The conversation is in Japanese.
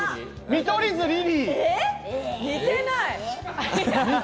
見取り図・リリー！